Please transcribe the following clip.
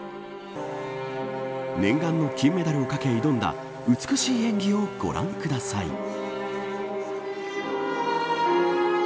念願の金メダルをかけ挑んだ美しい演技をご覧ください。